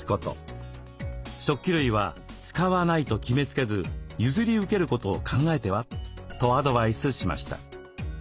食器類は「使わない」と決めつけず譲り受けることを考えては？とアドバイスしました。